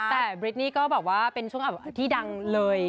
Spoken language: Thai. แต่บริดนี่ก็แบบว่าเป็นช่วงที่ดังเลย